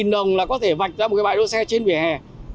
đồng là có thể vạch ra một cái bãi đỗ xe trên vỉa hè